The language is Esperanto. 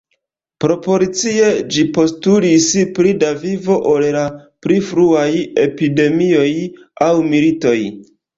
Proporcie, ĝi postulis pli da vivo ol la pli fruaj epidemioj aŭ militoj.